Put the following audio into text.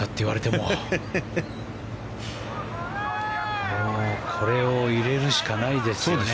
もうこれを入れるしかないですよね。